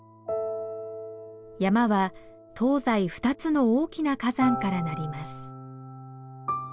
山は東西２つの大きな火山から成ります。